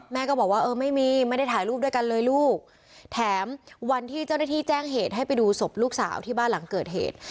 ก็บอกว่าเออไม่มีไม่ได้ถ่ายรูปด้วยกันเลยลูกแถมวันที่เจ้าหน้าที่แจ้งเหตุให้ไปดูศพลูกสาวที่บ้านหลังเกิดเหตุ